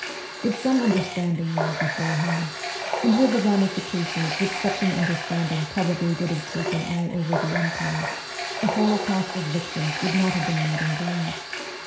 With some understanding there beforehand, and with the ramifications which such an understanding probably would have taken all over the empire, the holocausts of victims would not have been made in vain.